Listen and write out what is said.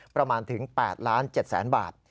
ประมาณถึง๘๗๐๐๐บาท